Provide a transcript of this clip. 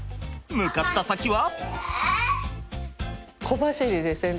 向かった先は？